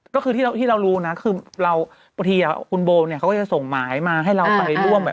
ก็คือที่เรารู้นะปกติคุณโบส่งหมายมาให้เราไปร่วม